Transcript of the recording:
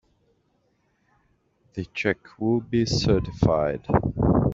The check will be certified.